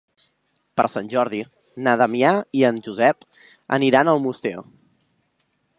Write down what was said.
Per Sant Jordi na Damià i en Josep aniran a Almoster.